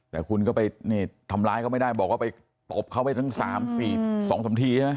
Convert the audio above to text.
แต่คุณก็ไปทำร้ายเขาไม่ได้บอกว่าไปตบเขาไปทั้ง๓ทีใช่ไหม